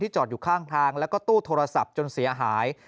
จอดอยู่ข้างทางแล้วก็ตู้โทรศัพท์จนเสียหาย